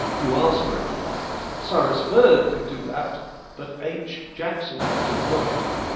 You asked for it. Cyrus Verd could do that, but H. Jackson could not."